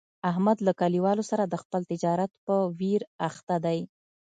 احمد له کلیوالو سره د خپل تجارت په ویر اخته دی.